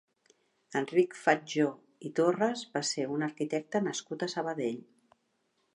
Enric Fatjó i Torras va ser un arquitecte nascut a Sabadell.